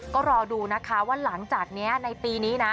ก็รอดูนะคะว่าหลังจากนี้ในปีนี้นะ